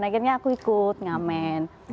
akhirnya aku ikut ngamen